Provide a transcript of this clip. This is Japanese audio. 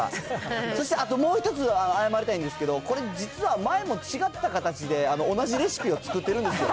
そしてもう一つ誤りたいんですけれども、違った形で同じレシピを作ってるんですよ。